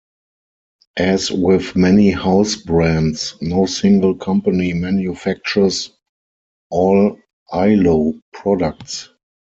As with many house brands, no single company manufactures all iLo products.